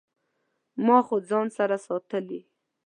خو ما ځان سره ساتلي